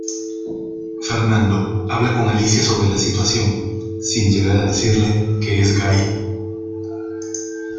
Fernando habla con Alicia sobre la situación, sin llegar a decirle que es gay.